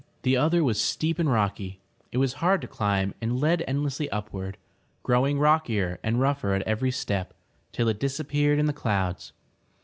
The other was steep and rocky. It was hard to climb and led endlessly upward, growing rockier and rougher at every step, till it dis* appeared in the clouds.